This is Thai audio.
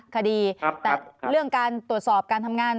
คดีแต่เรื่องการตรวจสอบการทำงาน